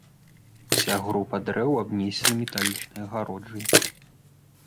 Уся група дрэў абнесена металічнай агароджай.